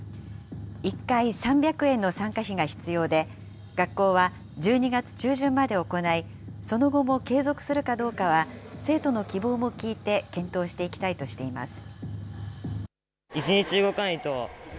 １回３００円の参加費が必要で、学校は１２月中旬まで行い、その後も継続するかどうかは、生徒の希望も聞いて、検討していきたいとしています。